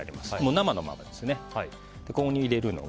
生のままですね。